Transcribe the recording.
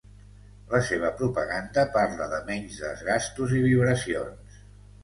La seva propaganda parla de menys desgastos i vibracions.